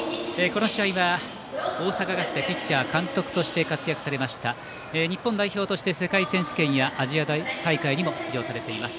この試合は大阪ガスでピッチャー監督として活躍されました日本代表として世界選手権やアジア大会にも出場されています